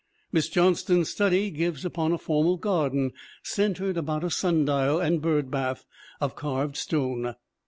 Miss Johnston's study gives upon a formal garden centered about a sundial and bird bath of carved stone.